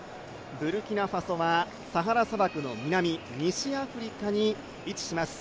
ブルキナファソはサハラ砂漠の南、西アフリカに位置します。